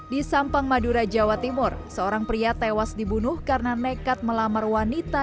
di sampang madura jawa timur seorang pria tewas dibunuh karena nekat melamar wanita